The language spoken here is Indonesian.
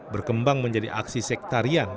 berkembang menjadi aksi sektarian